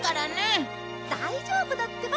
大丈夫だってば！